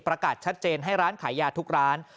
ประกาศชัดเจนให้ร้านขายยาทุกร้าน